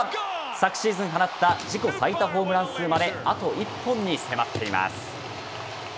昨シーズン放った自己最多ホームラン数まであと１本に迫っています。